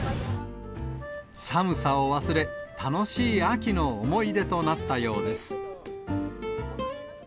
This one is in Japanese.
寒さを忘れ、楽しい秋の思い出となったようです。